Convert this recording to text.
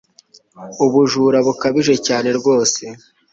Ubujura bukabije cyane rwose